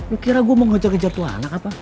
lo kira gue mau ngejar kejar tu anak apa